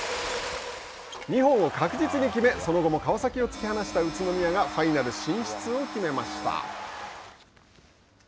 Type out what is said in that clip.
２本を確実に決めその後も川崎を突き放した宇都宮がファイナル進出を決めました。